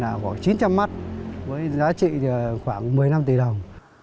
là khoảng chín trăm linh mắt với giá trị khoảng một mươi năm tỷ đồng